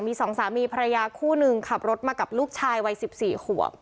มีสองสามีภรรยาคู่หนึ่งขับรถมากับลูกชายวัย๑๔ขวบ